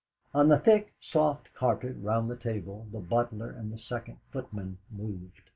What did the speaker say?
On the thick, soft carpet round the table the butler and second footman moved.